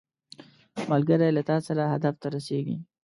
ملګری له تا سره هدف ته رسیږي